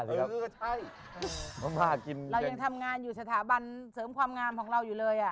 เรายังทำงานอยู่สถาบันเสริมความงามของเราอยู่เลย